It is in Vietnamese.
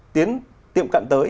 tiến tiệm cận tới